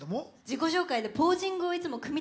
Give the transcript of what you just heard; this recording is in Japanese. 自己紹介でポージングをいつも組み